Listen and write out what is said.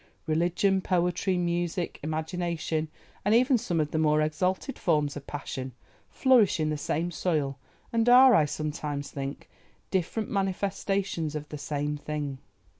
Religion, poetry, music, imagination, and even some of the more exalted forms of passion, flourish in the same soil, and are, I sometimes think, different manifestations of the same thing.